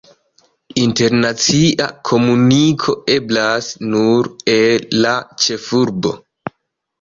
Internacia komuniko eblas nur el la ĉefurbo.